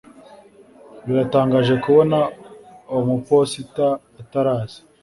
Biratangaje kubona umuposita ataraza